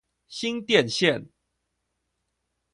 新店線